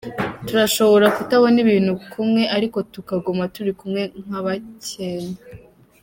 "Turashobora kutabona ibintu kumwe, ariko tukaguma turi kumwe nk'abakenya.